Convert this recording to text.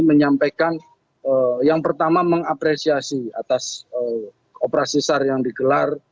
menyampaikan yang pertama mengapresiasi atas operasi sar yang digelar